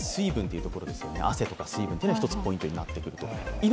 汗とか水分が１つポイントになってくると。